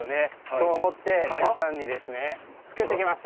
そう思って皆さんに作って来ました。